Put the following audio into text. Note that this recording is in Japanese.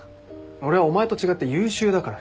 俺はお前と違って優秀だから。